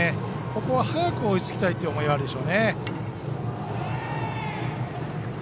ここは早く追いつきたいという思いがあるでしょうね。